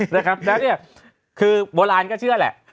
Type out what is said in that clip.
แล้วเนี่ยคือโบราณก็เชื่อแหละ